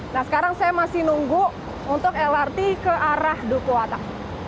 nah sekarang saya masih nunggu untuk lrt ke arah duku atas